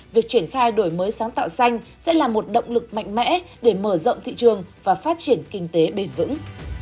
việc triển khai đổi mới sáng tạo xanh sẽ là một động lực mạnh mẽ để mở rộng thị trường và phát triển kinh tế bền vững